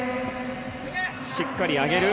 しっかり上げる。